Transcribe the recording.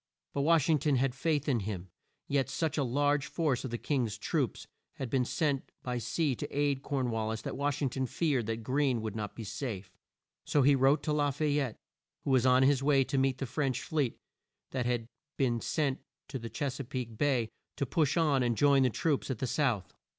But Wash ing ton had faith in him; yet such a large force of the King's troops had been sent by sea to aid Corn wal lis that Wash ing ton feared that Greene would not be safe. So he wrote to La fay ette, who was on his way to meet the French fleet that had been sent to Ches a peake Bay, to push on and join the troops at the South.